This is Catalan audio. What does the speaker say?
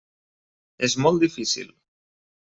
És molt difícil.